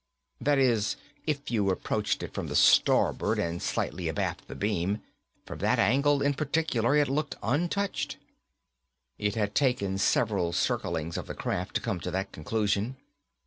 That is, if you approached it from the starboard and slightly abaft the beam. From that angle, in particular, it looked untouched. It had taken several circlings of the craft to come to that conclusion.